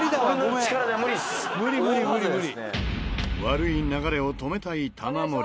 悪い流れを止めたい玉森。